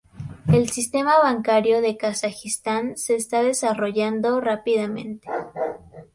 El sistema bancario de Kazajistán se está desarrollando rápidamente.